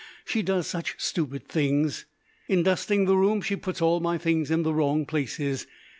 She does such stupid things. In dusting the room she puts all my things in the wrong places.